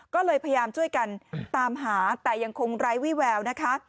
ก็เลยพยายามช่วยกันตามหาแต่ยังคงไร้วิแววนะคะ